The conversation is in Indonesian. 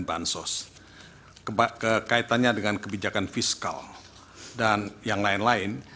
bansos kaitannya dengan kebijakan fiskal dan yang lain lain